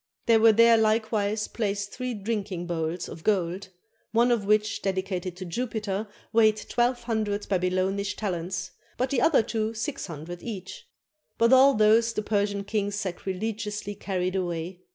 There were there likewise placed three drinking bowls of gold, one of which, dedicated to Jupiter, weighed twelve hundred Babylonish talents, but the other two six hun dred each; but all those the Persian kings sacrilegiously carried away.